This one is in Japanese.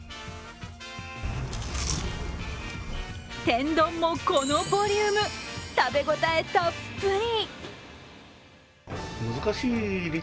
天丼もこのボリューム、食べ応えたっぷり。